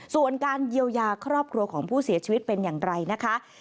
ส่วนการเยียวยาครอบครัวของผู้เสียชีวิตเป็นอย่างไรนะคะ